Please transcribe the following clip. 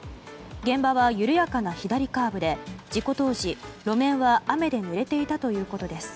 現場は緩やかな左カーブで事故当時、路面は雨でぬれていたということです。